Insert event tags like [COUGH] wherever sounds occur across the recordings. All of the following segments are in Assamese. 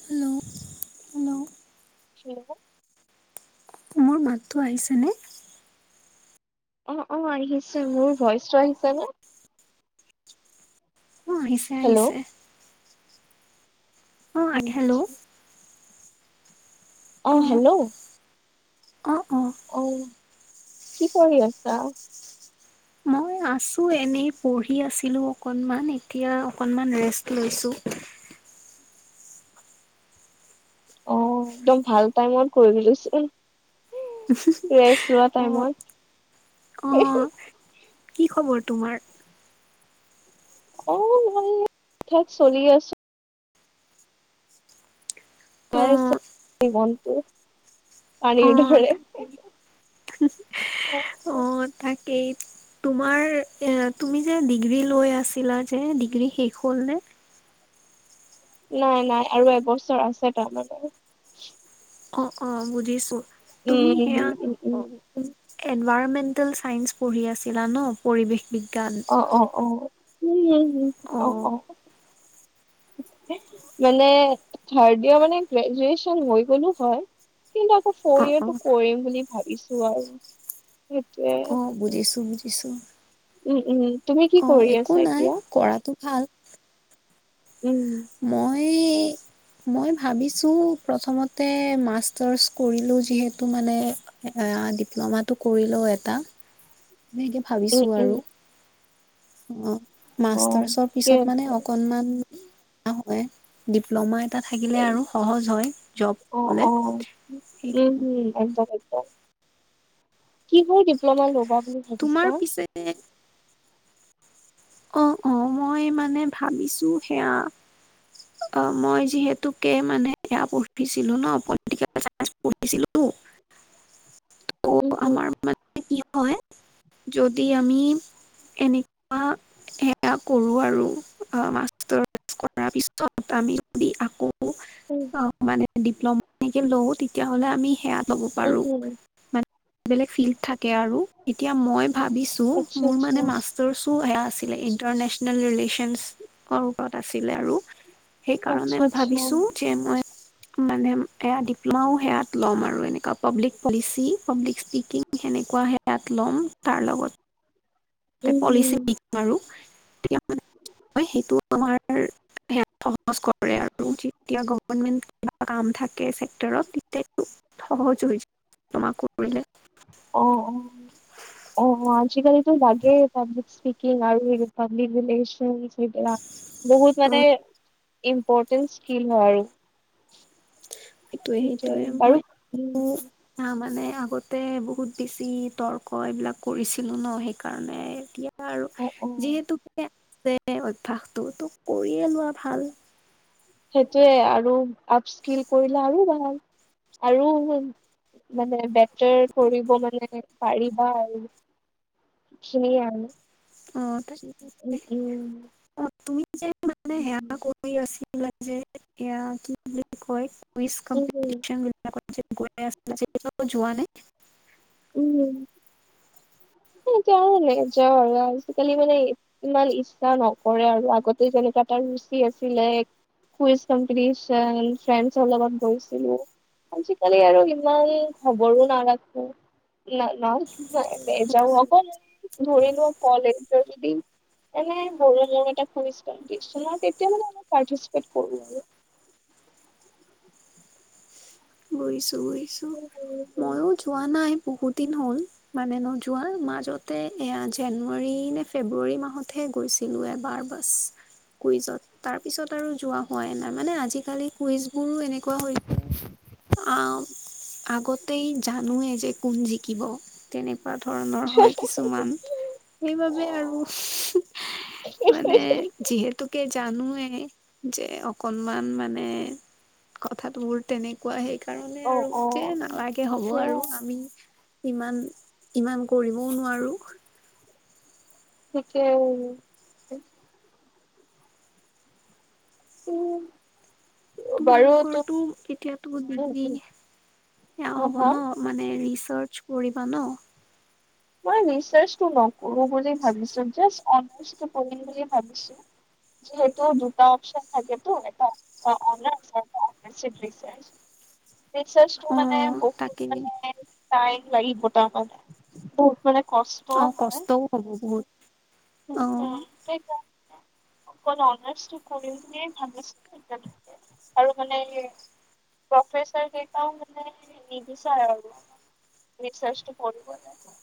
হেল্ল হেল্ল হেল্ল' তোমাৰ মাতটো আহিছেনে অ অ আহি আছে মোৰ ভইচ টো আহিছে নে উম আহিছে হেল্ল' আহিছে উ অ হেল্ল' অ হেল্ল অ অ অ কি পঢ়ি আছা অ আছো এনেই পঢ়ি আছিলো অকণমান এতিয়া অকণমান ৰেষ্ট লৈছো অ একদম ভাল টাইমত কৰিলি চোন ৰেষ্ট লোৱা অ' টাইমত অ' কি খবৰ তোমাৰ অ ভালে থেত চলি আছো গৈ আছে অ' জীৱনটো পানী অ' দৰে তাকেই অ অ তাকেইত তোমাৰ এ তুমি যে ডিগ্ৰী লৈ আছিলা যে ডিগ্ৰী শেষ হ'ল নে নাই নাই আৰু এবছৰ আছে তাৰ মানে অ অ বুজিছো তুমি উম সেয়া উম উম অ উম এনভাৰমেন্টেল চাইন্স পঢ়ি আছিলা ন পৰিৱেশ বিজ্ঞান অ অ অ উম উম উম অ অ মানে থাৰ্ড ডেই মানে গ্ৰেজুৱেচন হৈ গলো হয় কিন্তু আকৌ অ', ফৰ অ', ইয়েৰটো কৰিম বুলি ভাবিছো আৰু সেইটোৱে অ', বুজিছো বুজিছো উম উম তুমি কি অ', কৰি একো আছা নাই এতিয়া কৰাটো ভাল উম মই মই ভাবিছো প্ৰথমতে মাষ্টাৰ্চ কৰিলো যিহেতু মানে এ ডিপ্ল'মাটো কৰি লও এটা এনেকে উম ভাবিছো উম আৰু অ অ মাষ্টাৰ্চৰ ঠিকে পিছত মানে আছে অকনমান ডিপ্ল'মা এটা থাকিলে উম, আৰু সহজ হয় জব অ অ লে উম হম একদম একদম কিহৰ ডিপ্ল'মা লবা বুলি ভাবিছা তোমাৰ পিছে অ অ মই মানে ভাবিছোঁ সেয়া অ মই যিহেতুকে মানে এয়া পঢ়িছিলো ন পলিটিক পলিটিকেল চাইন্স পঢ়িছিলোঁ। [INAUDIBLE] উম ত' হম আমাৰ মানে কি হয় যদি আমি এনেকুৱা সেয়া কৰো আৰু মাষ্টাৰছ কৰাৰ পিছ চত আমি যদি আকৌ উম অ মানে ডিপ্ল'মা এনেকে লওঁ তেতিয়াহ'লে আমি সেয়া ল'ব উম পাৰো হম মানে বেলেগ ফিল থাকে আৰু এতিয়া মই ভাবিছো আচ্ছা মোৰ আচ্ছা মানে মাচ জৰসু সেয়া আছিলে ইণ্টাৰনেচনেল ৰিলেচনত ওপৰত আছিলে আৰু সেই আচ্ছা কাৰণে মই আচ্ছা ভাবিছো যে মই মানে এয়া ডিপ্ল'মাও সেয়াত ল'ম আৰু এনেকুৱা পাব্লিক পলিচি পাব্লিক স্পীকিং সেনেকুৱা সেয়াত ল'ম তাৰ লগত উম পলিচিও হম শিকিম আৰু তেতিয়া মানে সেইটো আমাৰ সেয়া সহজ কৰে আৰু যেতিয়া গভমেণ্ট কিবা কাম থাকে চেক্টৰত তেতিয়াতো সহজ হৈ যাব ডিপ্লমা কৰিলে। অ অ অ আজিকালিতো লাগেই পাব্লিক স্পিকিং আৰু পাব্লিক ৰিলেচন সেইদিনা বহুত অ মানে ইম্পৰ্টেন্ট স্কিল হয় আৰু সেইটোৱে সেইটো আৰু বাৰু আহ মানে আগতে বহুত বেছি তৰ্ক এইবিলাক কৰিছিলো ন সেইকাৰণে এতিয়া আৰু অ', অ', যিহেতুে আছে অভ্যাসটো তো কৰিয়ে লোৱাই ভাল। সেইটোৱে আৰু আপ স্কিল কৰিলে আৰু ভাল আৰু মানে বেটাৰ কৰিব মানে পাৰিবা আৰু খিনি আৰু অ তাকে উম, তাকে উম, অ তুমি যে মানে সেয়া কৈ আছিল যে এয়া কি বুলি কয় কুইজ উম, উম, কম্পিটিচন আগত যে গৈ আছিলা এতিয়াও যোৱা নে উম সেই আৰু নেযাওঁ আৰু আজকালি মানে ইমান ইচ্ছা নকৰে আৰু আগতে যেনেকা এটা ৰুচি আছিলে কুইজ কম্পিটিচন ফ্ৰেণ্ডছৰ লগত গৈছিলো আজিকালি আৰু ইমান খবৰো নাৰাখো না নাজ নোহোৱা নেযাওঁ, অকলে ধৰি লোৱা কলেজৰ যদি এনে বৰ এটা কুইজ প্ৰান্তিক চনত এতিয়া মানে অলপ প্ৰাতিচেপেত কৰো আৰু বুইছো বুইছো ময়ো যোৱা নাই বহুত দিন হ'ল মানে নোযোৱা মাজতে এয়া জানুৱাৰী নে ফেব্ৰুৱাৰী মাহতহে গৈছিল লো এবাৰ বাছ কুইজত তাৰ পিছত আৰু যোৱা হোৱাই নাই মানে আজিকালি কুইজ বোৰো এনেকুৱা হৈ আও আগতেই জানোৱেই যে কোন জিকিব তেনেকুৱা ধৰণৰ হয় কিছুমান সেইবাবে আৰু মানে যিহেতুকে জানয়ে যে অকনমান মানে কথাটো বোৰ তেনেকুৱা সেইকাৰণে অ আৰু অ যে নালাগে হ'ব সেয়া আৰু আমি ইমান ইমান কৰিবও নোৱাৰো থিকে উম তোমালোকৰটো এতিয়াতো বহুত বৃদ্ধি, উম সেয়া হা হব হা ন মানে ৰিচাৰ্ছ কৰিবা ন মই ৰিচাৰ্চটো নকৰো বুলি ভাবিছোঁ জাষ্ট অনাৰ্চটো পঢ়িম বুলি ভাবিছোঁ। যিহেতু দুটা অপচন থাকেতো এটা অন [UNINTELLIGIBLE] ৰিচাৰ্চটো অ মানে তাকে বহুত মানে টাইম লাগিব তাৰ মানে। বহুত মানে কচ অ, কষ্টও হ'ব বহুত উম, অ। হুম, অকল অনাৰছ টো কৰিম বুলি ভাবি আছোঁ এতিয়ালৈকে আৰু মানে প্ৰফেচাৰ কেইটাও মানে নিবিচাৰে আৰু ৰিচাৰ্জটো কৰিব নাই পোৱা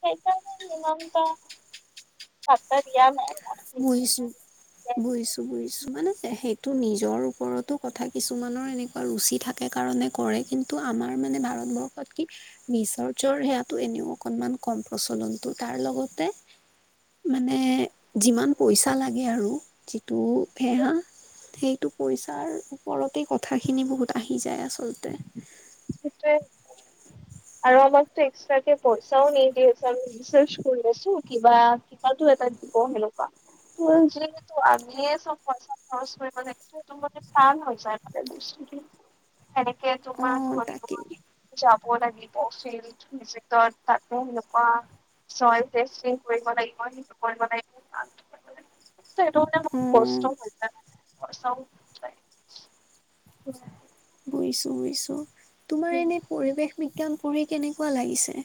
সেইকাৰণে ইমানটা পাত্তা দিয়া নাই মই বুইছো ৰিচাৰ্চটো বুইছো -বুইছো মানে সেইটো নিজৰ ওপৰতো কথা কিছুমানৰ এনে অ, ৰুচি থাকে কাৰণে কৰে কিন্তু আমাৰ মানে ভাৰতবৰ্ষত কি নিচৰজৰ সেয়াটো এনেও অকনমান কম প্ৰচলনটো তাৰ লগতে মানে যিমান পইচা লাগে আৰু যিটো বেয়া সেইটো পইচাৰ ওপৰতে কথাখিনি বহুত আহি যায় আচলতে। সিটোৱে আৰু আমাকতো এক্সটাকে পইচাও নিদিয়ে যে আমি ৰিচাৰ্চ কৰি আছো কিবা- কিবাটো এটা দিব হেনেকুৱা। তোৰ যিহেতু আমিয়ে চব পইচা খৰচ কৰিব লাগিছে সেইটো মানে টান হৈ যায় মানে বস্তু [UNINTELLIGIBLE] এনেকে অ তোমাৰটো তাকেই [UNINTELLIGIBLE] যাব লাগিব ফিল্ড ভিজিটত তাতো সেনেকুৱা চইল টেষ্টিং কৰিব লাগিব সেইটো কৰিব লাগিব ত'সেটো মানে অ মোক কষ্ট হয় [UNINTELLIGIBLE] [UNINTELLIGIBLE] বুইছো- বুইছো তোমাৰ এনে পৰিৱেশ বিজ্ঞান পঢ়ি কেনেকুৱা লাগিছে?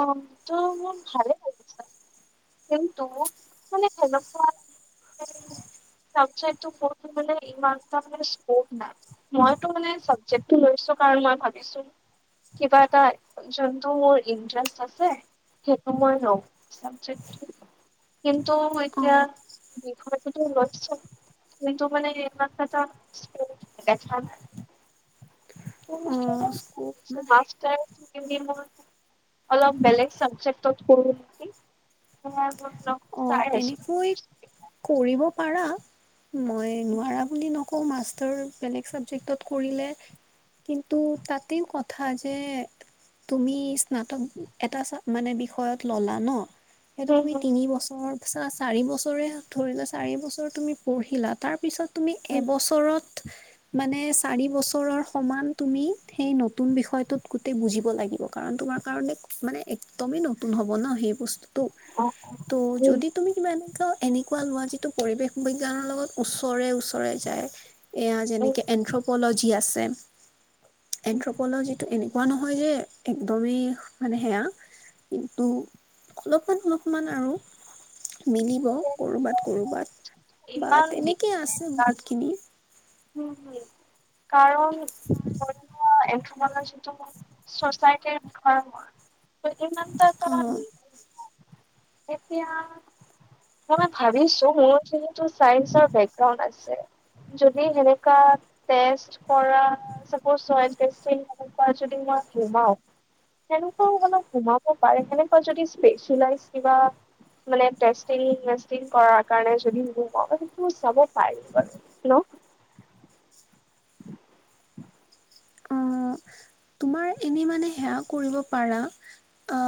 অ, তো মোৰ ভালেই লাগিছে। কিন্তু মানে সেনেকুৱা চাবজেক্টটো পঢ়িবলে ইমান এটা মানে স্কোপ নাই। মইতো মানে চাবজেক্টো লৈছো কাৰণ মই ভাবিছোঁ কিবা এটা যোনটো মোৰ ইনটাৰেষ্ট আছে সেইটো মই লওঁ চাবজেক্ট টো। কিন্তু মই অ এতিয়া বিষয়টোতো লৈছোঁ। কিন্তু মানে এইবিলাক ক্ষেত্ৰত [UNINTELLIGIBLE] দেখা নাই। অ স্কপ [UNINTELLIGIBLE] নাই মাষ্টাৰ চেকেনডেৰি মোৰ। অলপ বেলেগ চাবজেক্টত কৰোঁ নেকি [UNINTELLIGIBLE] অ, আছো। তেনেকৈ কৰিব পাৰা মই নোৱাৰা বুলি ন আকৌ মাষ্টাৰ বেলেগ চাবজেক্টত কৰিলে কিন্তু তাতেও কথা যে তুমি স্নাতক এটা মানে বিষয়ত ল'লা ন' সেইটো হম তুমি হম তিনি বছৰ চা চাৰি বছৰে ধৰি লোৱা চাৰি বছৰ তুমি পঢ়িলা তাৰপিছত তুমি এবছৰত মানে চাৰি বছৰৰ সমান তুমি সেই নতুন বিষয়টোত গোটেই বুজিব লাগিব কাৰণ তোমাৰ কাৰণে মানে একদমেই নতুন হ'ব ন'সেই বস্তু তো ত' ইমান যদি [UNINTELLIGIBLE] এনেকুৱা লোৱা যিটো পৰিৱেশ বিজ্ঞানৰ লগত ওচৰে -ওচৰে যায়। এয়া যেনেকে এনথ্ৰপলজি আছে। এনথ্ৰপলজিত ত'এনেকুৱা নহয় যে একদমেই মানে সেয়া কিন্তু সলপমান - অলপমান আৰু। মিলিব কৰবাত- কৰবাত বা তেনেকেই আছে বহুতখিনি। উম কাৰণ ধৰি লা এক- [UNINTELLIGIBLE] অহ। এতিয়া মই ভাবিছোঁ, মোৰ যিহেতু চাইঞ্চৰ বেকগ্ৰাউড আছে। সে হেনকুৱা টেষ্ট কৰা চাপশ্চ চইণ্ট টেষ্টিং তোৰ পা যদি [UNINTELLIGIBLE] সেনেকুৱাও [UNINTELLIGIBLE] সোমাব পাৰে সেনেকুৱা যদি স্পেচিয়েলাইচ কিবা মানে তেছটিং, মেচটিং কৰাৰ কাৰণে যদি [UNINTELLIGIBLE] সেইটো যাব পাৰিম বাৰু। হেল্ল', অ [INAUDIBLE] তোমাৰ এনে মানে সেয়া কৰিব পাৰা অ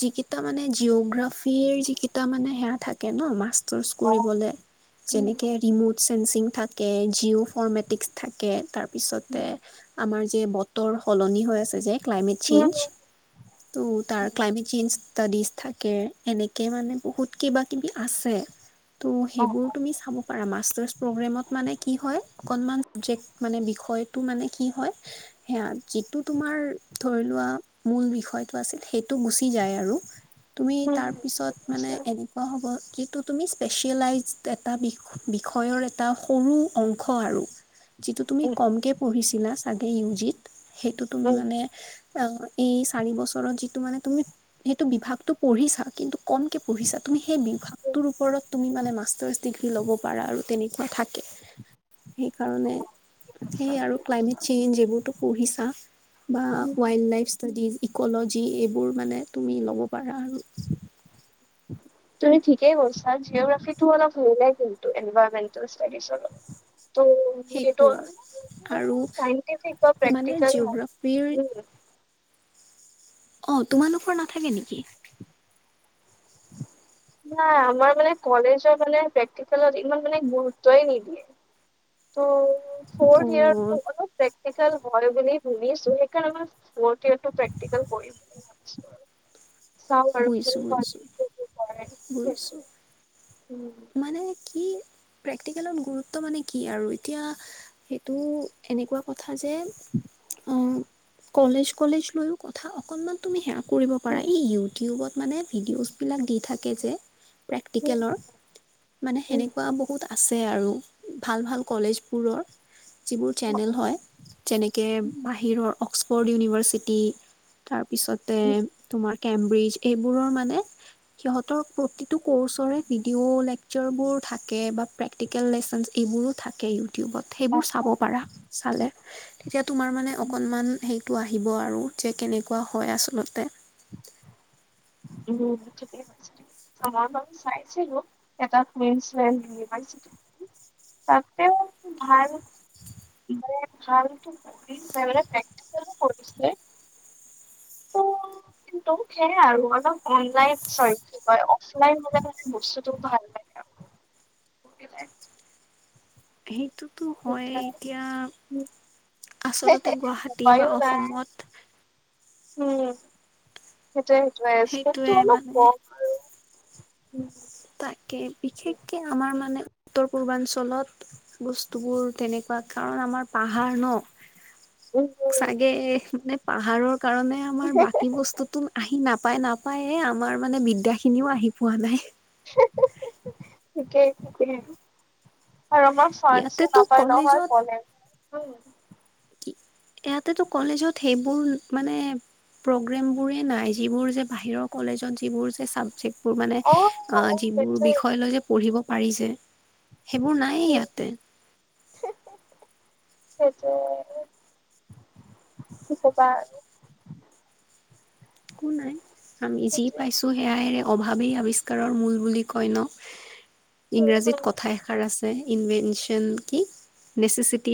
যিকেইটা মানে জিঅগ্ৰাফিৰ যিকেইটা মানে সেয়া থাকে ন মাছ- টৰ্চ উম কৰিবলে, যেনেকৈ ৰিম'ট চেংসিং ঠাক কে জিঅও ফৰৰ্মেটিক্স থাকে, উম তাৰপিছতে আমাৰ যে বতৰ সলনি হৈ আছে যে, ক্লাইমেট চেঞ্জ। তোত' তাৰ ক্লাইমেট চেঞ্জ ষ্টাডিছ থাকে, এনেকে মানে বহুত কিবা কিবি আছে। ত উম সেইবোৰ তুমি চাব পাৰা মাষ্টাৰছ প্ৰগ্ৰেমত মানে কি হয় অকনমান জেক্ মানে বিষয়টো মানে কি হয়, সেয়া যিটো তোমাৰ ধৰি লোৱা মূল বিষয়টো আছিল সেইটো গুচি যায় আৰু। তুমি তাৰপিছত মানে এনেকুৱা হ'ব যিটো তুমি স্পেচিয়েলাইজ এটা বি বিষয়ৰ এটা সৰু অংশ আৰু যিটো তুমি কমকে পঢ়িছিলা চাগে ইউজিত সেইটো তুমি উম মানে [UNINTELLIGIBLE] এই চাৰি বছৰত যিটো মানে তুমি সেইটো বিভাগতটো পঢ়িছা, কিন্তু কমকে পঢ়িছা তুমি সেই বিভাগ তোৰ ওপৰত তুমি মানে মাষ্টাৰ্চ ডিগ্ৰী লব পাৰা আৰু তেনেকুৱা থাকে। সেইকাৰণে সেই আৰু ক্লাইমেট চেঞ্জ এইবোৰ টো পঢ়িছা? বা ৱাইল্ড লাইফছ ষ্টডিজ ইকলজি এইবোৰ মানে তুমি ল'ব পাৰা আৰু। তুমি ঠিকেই কৈছা জিঅগ্ৰাফিটো অলপ মিলে কিন্তু এনভাইৰমেণ্টেল ষ্টডিজৰ লগ- [INAUDIBLE] টো এইটো সেইটোৱে আৰু [UNINTELLIGIBLE] চাইণ্টিফিক বা মানে প্ৰেক্টিকল হয়, জিঅ'গ্ৰাফীৰ উম। অ, তোমালোকৰ নাথাকে নেকি? নাই আমাৰ মানে কলেজৰ মানে প্ৰেক্টিকেলত ইমান মানে গুৰুত্বই নিদিয়ে। ত অ ফউৰ্থ ইয়াৰ্ত টো অলপ প্ৰেক্টিকেল হয় বুলি শুনিছোঁ, সেইকাৰণে মাছ- ফৌৰ্থ ইয়েৰ টো প্ৰেক্টিকেল কৰিম বুলি ভাবিছোঁ আৰু। চাও আৰু কি বুজিছো হয়, বুজিছো নিদিবও টো পাৰে বুজিছোঁ ঠেইটোৱে উম। মানে কি, প্ৰেক্টিকেলত গুৰুত্ব মানে কি আৰু এতিয়া সেইটো এনেকুৱা কথা যে অ কলেজ কলেজ লৈও কথা, অকনমান তুমি সেয়া কৰিব পাৰা। উম, এই ইউটিউবত মানে ভিডিঅ'চ বিলাক দি থাকে যে প্ৰেক্টিকেলৰ, মানে উম, সেনেকুৱা বহুত আ- ছে আৰু ভাল ভাল কলেজবোৰৰ। যিবোৰ অ, চেনেল হয়। যেনেকে উম, বাহিৰৰ অক্সফৰ্ড ইউনিভাৰ্চিটি তাৰপিছতে উম, তোমাৰ কেম্ব্ৰিজ এইবোৰৰ মানে সিহঁতৰ প্ৰতিটো ক'ৰ্চৰে ভিডিঅ' লেকচাৰবোৰ থাকে বা প্ৰেক্টিকেল লেচনছ এইবোৰো থাকে ইউটিউবত অ, সেইবোৰ চাব পাৰা, চালে। তেতিয়া তোমাৰ মানে অকণমান সেইটো আহিব আৰু যে কেনেকুৱা হয় আচলতে। উম ঠিকে। সময় বাবে চাইছিলো, এটা কুইনছলেণ্ড ইউনিভাৰ্চিটি তাতে ভাল ইনডাৰেট ভালটো কৰিছে, পপ্ৰক্টিকেলো কৰিছে। ত কিন্তু সেয়াই আৰু। অলপ অনলাইন চৰি কি হয় অফলাইন হলে মানে বস্তুতো ভাল হয়। সেইটো এটো হয় এতিয়া আচলতে গুৱাহাটী বা উপায়ো নাই অসমত উম, সেইটোৱে সেইটোৱে সেইটোৱে স্কোপটো অলপ মানে কম। আৰু তাকে, বিশেষকে আমাৰ মানে উত্তৰ পূৰ্বাঞ্চলত বস্তুবোৰ তেনেকুৱা কাৰণ আমাৰ পাহাৰ ন? উম উম। চাগে মানে পাহাৰৰ কাৰণে আমাৰ বাকী বস্তুতো আহি নাপায় নাপ পায়ে আমাৰ মানে বিদ্যাখিনিও আহি পোৱা নাই। [UNINTELLIGIBLE] ঠিকে-ঠিকে। আৰু আমাৰ চাঞ্চও ইয়াতেতো নাপায় নহয় কলেজত কলেজত, উম। ইয়াতেটো কলেজত সেইবোৰ মানে প্ৰগ্ৰেমবোৰেই নাই। যিবোৰ যে বাহিৰৰ কলেজত যিবোৰ যে ছাবজেক্ট মানে অ যিবোৰ বিষয় লৈ যে পঢ়িব পাৰিছে সেইবোৰ না ইয়ে ইয়াতে। [UNINTELLIGIBLE] সেইটোৱেটো। কি ক'বা একো নাই। আমি যি সেইটোৱে পাইছো সেয়াইৰে অভাৱেই আৱিষ্কাৰৰ মূল বুলি কয় ন? উম ইংৰাজীত কথা এষাৰ আছে ইনভেনচন কি? নেচেচিটি